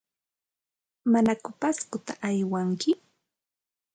¿Manaku Pascota aywanki?